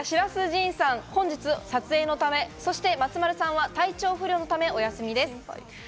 なお白洲迅さんは本日撮影のため、そして松丸さんは体調不良のためお休みです。